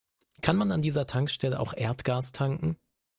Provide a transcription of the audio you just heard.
Kann man an dieser Tankstelle auch Erdgas tanken?